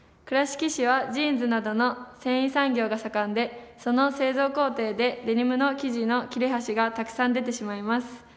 倉敷市はジーンズなどの繊維産業が盛んでその製造工程でデニムの生地の切れ端がたくさん出てしまいます。